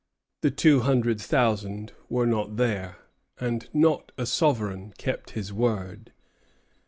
The two hundred thousand were not there, and not a sovereign kept his word.